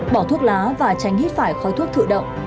bỏ thuốc lá và tránh hít phải khói thuốc tự động